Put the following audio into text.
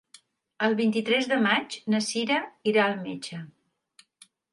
El vint-i-tres de maig na Cira irà al metge.